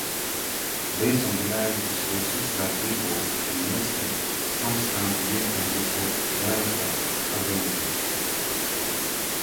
Based on reliable sources like "Billboard" and Nielsen SoundScan's year end report wherever available.